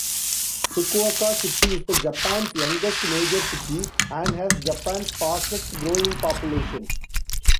Fukuoka city is the Japan's youngest major city and has Japan's fastest growing population.